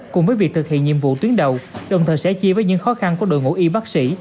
cùng với việc thực hiện nhiệm vụ tuyến đầu đồng thời sẽ chia với những khó khăn của đội ngũ y bác sĩ